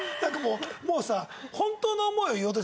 もうさ。